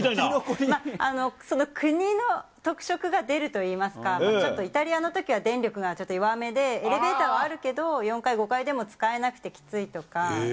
国の特色が出るといいますか、ちょっとイタリアのときは電力がちょっと弱めで、エレベーターはあるけど、４階、５階でも使えなくて、きついとか。